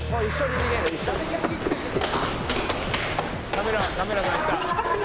「カメラカメラさんいった」